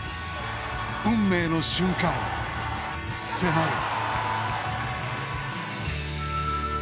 運命の瞬間、迫る。